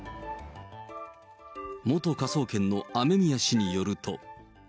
元科捜研の雨宮氏によると。